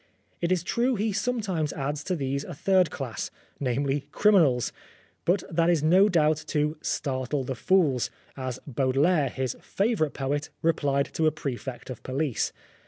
It is true he sometimes adds to these a third class, namely, criminals. But that is no doubt " to startle the fools," as Baudelaire, his favourite poet, replied to a prefect of police.